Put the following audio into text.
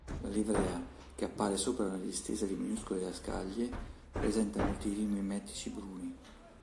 La livrea, che appare sopra una distesa di minuscole scaglie, presenta motivi mimetici bruni.